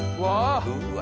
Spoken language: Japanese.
うわ！